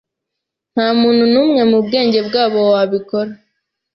Ntamuntu numwe mubwenge bwabo wabikora.